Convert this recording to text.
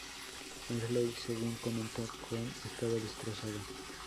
Medley, según comentó Cohen, estaba destrozado.